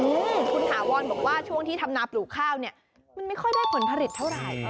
อืมคุณถาวรบอกว่าช่วงที่ทำนาปลูกข้าวเนี่ยมันไม่ค่อยได้ผลผลิตเท่าไหร่